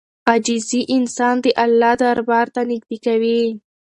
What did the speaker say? عاجزي انسان د الله دربار ته نږدې کوي.